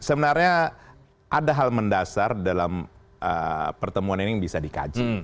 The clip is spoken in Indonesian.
sebenarnya ada hal mendasar dalam pertemuan ini yang bisa dikaji